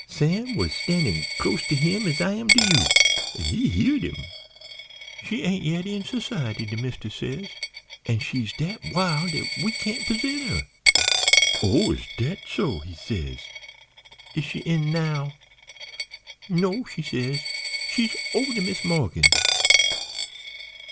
Sam was a standin' close to him as I am to you an' he heared him. "'She ain't yet in s'ciety,' de mist'ess says, 'an' she's dat wild dat we can't p'esent her.' "'Oh! is dat so?' he says. 'Is she in now?' "'No,' she says, 'she's over to Mis' Morgan's.'